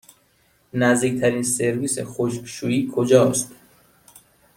نزدیکترین سرویس خشکشویی کجاست؟